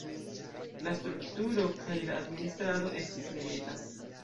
La strukturo kaj la administrado estis milita.